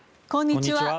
こんにちは。